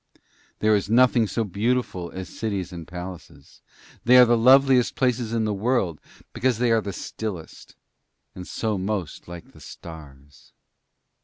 There is nothing so beautiful as cities and palaces; they are the loveliest places in the world, because they are the stillest, and so most like the stars.